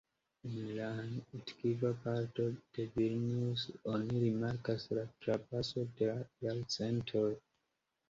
En la antikva parto de Vilnius oni rimarkas la trapason de la jarcentoj.